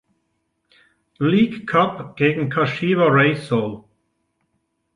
League Cup gegen Kashiwa Reysol.